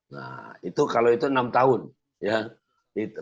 nah itu kalau itu enam tahun ya